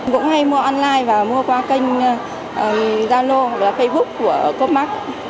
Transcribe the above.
cũng hay mua online và mua qua kênh zalo hoặc là facebook của copmark